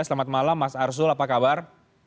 selamat malam mas arsul apa kabar